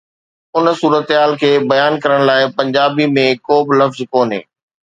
ان صورتحال کي بيان ڪرڻ لاءِ پنجابي ۾ ڪو به لفظ ڪونهي.